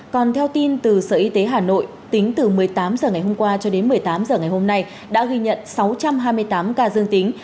còn theo tin từ sở y tế hà nội tính từ một mươi tám h ngày hôm qua cho đến một mươi tám h ngày hôm nay đã ghi nhận sáu trăm hai mươi tám ca dương tính